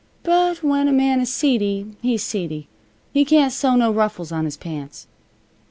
But when a man is seedy, he's seedy. He can't sew no ruffles on his pants."